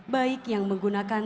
bahkan ku diantarkan